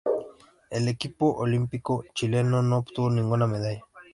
El equipo olímpico chileno no obtuvo ninguna medalla.